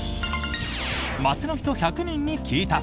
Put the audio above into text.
街の人１００人に聞いた！